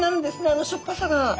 あのしょっぱさが。